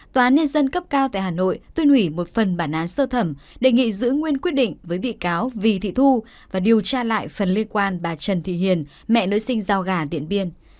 tòa án nhân dân cấp cao tại hà nội tuyên hủy một phần bản án sơ thẩm đề nghị giữ nguyên quyết định với bị cáo vì thị thu và điều tra lại phần liên quan bà trần thị hiền mẹ nữ sinh giao gà điện biên